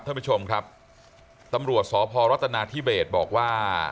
ท่านผู้ชมครับตำรวจสพรัฐนาธิเบศบอกว่า